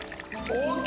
ＯＫ。